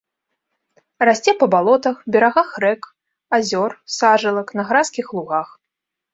Расце па балотах, берагах рэк, азёр, сажалак, на гразкіх лугах.